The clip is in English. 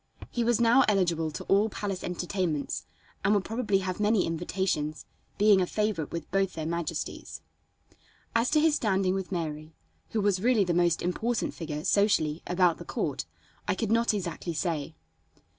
He was now eligible to all palace entertainments, and would probably have many invitations, being a favorite with both their majesties. As to his standing with Mary, who was really the most important figure, socially, about the court, I could not exactly say.